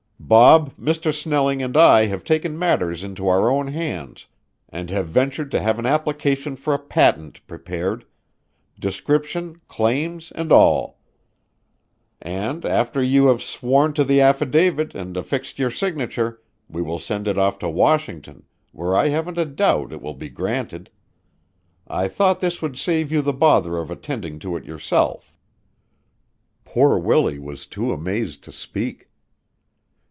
"Bob, Mr. Snelling and I have taken matters into our own hands and have ventured to have an application for a patent prepared description, claims and all; and after you have sworn to the affidavit and affixed your signature, we will send it off to Washington, where I haven't a doubt it will be granted. I thought this would save you the bother of attending to it yourself." Poor Willie was too amazed to speak.